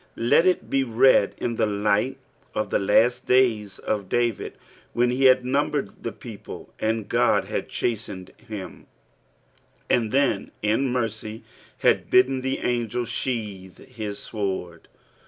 Ld it be read in Ihe tight of tht but days of David, when he had numbered Ihe people, and (fod had chastened Aim, and then in mereu had bidden the angd sheathe his eieord.